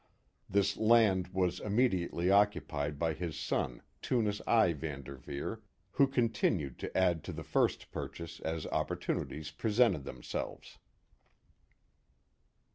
This land was immediately occupied by his son, Tunis I, Van Derveer, who continued to add to the first purchase as opportunities presented themselves.